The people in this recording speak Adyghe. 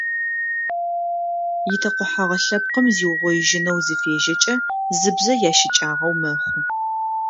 Итэкъухьэгъэ лъэпкъым зиугъоижьынэу зыфежьэкӏэ зы бзэ ящыкӏагъэу мэхъу.